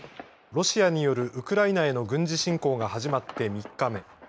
ロシアによるウクライナへの軍事侵攻が始まって３日目。